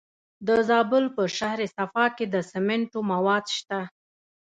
د زابل په شهر صفا کې د سمنټو مواد شته.